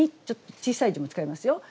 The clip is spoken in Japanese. ちょっと小さい字も使いますよ。